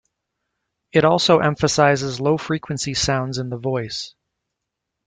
It also emphasizes low-frequency sounds in the voice.